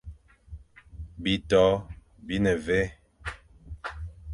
Bitô bi ne mvè,